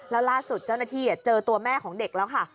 แล้วล่าสุดเจ้าหน้าที่เจอตัวแม่ของเด็กแล้วค่ะ